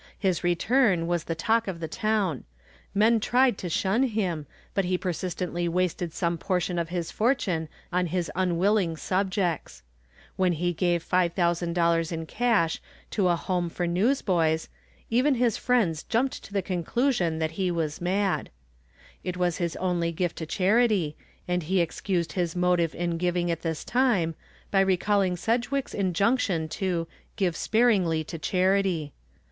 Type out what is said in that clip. His return was the talk of the town. Men tried to shun him, but he persistently wasted some portion of his fortune on his unwilling subjects. When he gave $5,000 in cash to a Home for Newsboys, even his friends jumped to the conclusion that he was mad. It was his only gift to charity and he excused his motive in giving at this time by recalling Sedgwick's injunction to "give sparingly to charity."